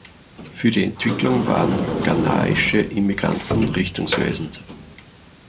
Für die Entwicklung waren ghanaische Immigranten richtungsweisend.